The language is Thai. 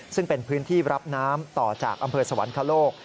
ซึ่งเป็นพื้นที่รับน้ำต่อจากอำเภอสวรรคโลก